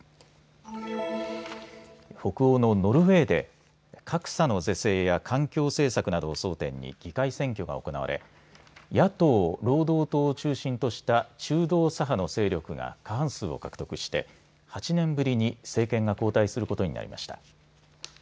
北欧のノルウェーで格差の是正や環境政策などを争点に議会選挙が行われ野党労働党を中心とした中道左派の勢力が過半数を獲得して８年ぶりに政権が交代することになりました。